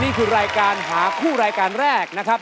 นี่คือรายการหาคู่รายการแรกนะครับ